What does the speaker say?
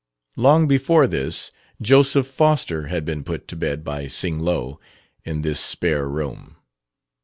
Long before this, Joseph Foster had been put to bed, by Sing Lo, in this spare room.